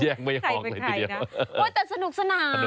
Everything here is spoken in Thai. ไม่ออกเลยทีเดียวโอ้ยแต่สนุกสนาน